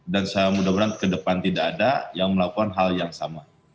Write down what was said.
dan saya mudah mudahan ke depan tidak ada yang melakukan hal yang sama